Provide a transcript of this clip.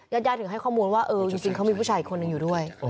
ญาติญาติถึงให้ข้อมูลว่าเออจริงเขามีผู้ชายอีกคนนึงอยู่ด้วย